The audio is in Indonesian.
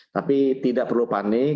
tapi tidak perlu panik